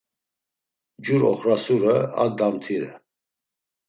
Cur oxrasure, a damtire.